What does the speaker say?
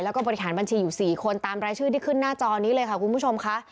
แล้วก็บริหารบัญชีอยู่๔คนตามรายชื่อที่ขึ้นหน้าจอนี้เลยค่ะคุณผู้ชมค่ะ